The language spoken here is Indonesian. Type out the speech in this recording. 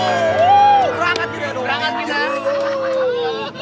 berangkat kita berangkat kita